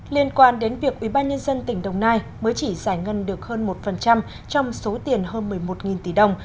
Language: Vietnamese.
liên quan đến việc ủy ban nhân dân tỉnh đồng nai mới chỉ giải ngân được hơn một trong số tiền hơn một mươi một tỷ đồng